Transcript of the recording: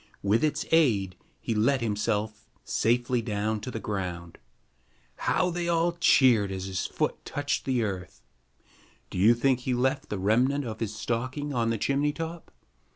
With its aid, he let himself safely down to the ground. How they all cheered as his foot touched the earth! Do you think he left the remnant of his stocking on the chimney top?